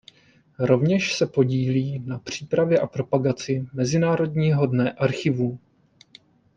Rovněž se podílí na přípravě a propagaci Mezinárodního dne archivů.